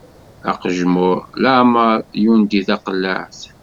Aqejmuṛ, leɛmeṛ yundi taqellaɛt.